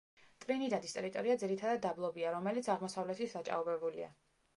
ტრინიდადის ტერიტორია ძირითადად დაბლობია, რომელიც აღმოსავლეთით დაჭაობებულია.